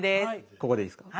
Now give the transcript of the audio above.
ここでいいですか？